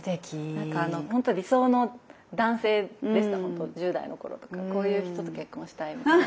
ほんと理想の男性でした１０代の頃とかこういう人と結婚したいみたいな。